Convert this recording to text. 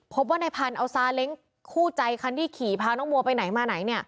พบว่าในพันธุ์เอาซาเล้งคู่ใจคันที่ขี่พาน้องมัวไปไหนมาไหน